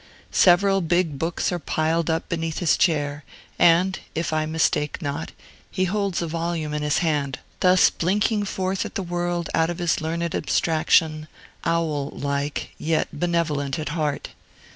Several big books are piled up beneath his chair, and, if I mistake not, he holds a volume in his hand, thus blinking forth at the world out of his learned abstraction, owllike, yet benevolent at heart.